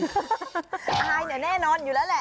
อายเนี่ยแน่นอนอยู่แล้วแหละ